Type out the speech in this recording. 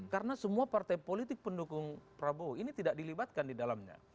karena semua partai politik pendukung prabowo ini tidak dilibatkan di dalamnya